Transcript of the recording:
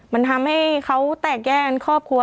มันทำให้เขาแตกแยกกันครอบครัว